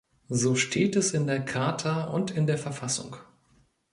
So steht es in der Charta und in der Verfassung.